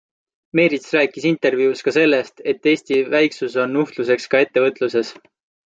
Meerits rääkis intervjuus ka sellest, et Eesti väiksus on nuhtluseks ka ettevõtluses.